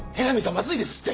まずいですって！